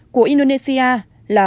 của indonesia là